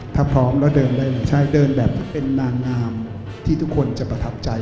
ถ้าพร้อมแล้วเดินได้เลยใช่เดินแบบเป็นนางงามที่ทุกคนจะประทับใจ